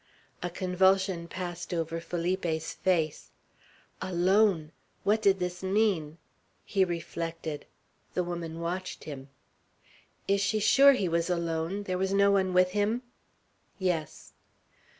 A convulsion passed over Felipe's face. "Alone!" What did this mean! He reflected. The woman watched him. "Is she sure he was alone; there was no one with him?" "Yes."